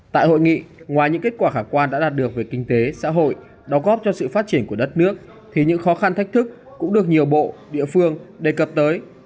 tại hội nghị ngoài những kết quả khả quan đã đạt được về kinh tế xã hội đó góp cho sự phát triển của đất nước thì những khó khăn thách thức cũng được nhiều bộ địa phương đề cập tới